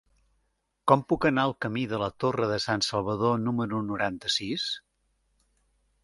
Com puc anar al camí de la Torre de Sansalvador número noranta-sis?